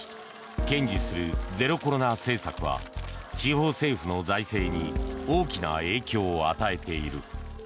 堅持するゼロコロナ政策は地方政府の財政に大きな影響を与えている。